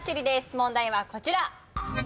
問題はこちら。